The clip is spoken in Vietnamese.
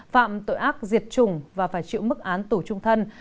phạm tội ác diệt chủng và phải chịu mức án tù trung thân